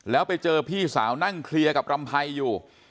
แล้วไปเจอพี่สาวนั่งเคลียร์กับรำไพรอยู่